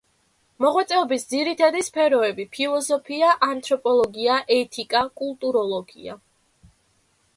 მოღვაწეობის ძირითადი სფეროები: ფილოსოფია, ანთროპოლოგია, ეთიკა, კულტუროლოგია.